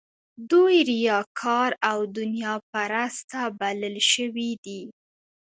دوی ریاکار او دنیا پرسته بلل شوي دي.